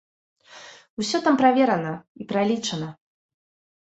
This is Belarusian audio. Усё там праверана, і пралічана.